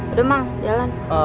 udah mang jalan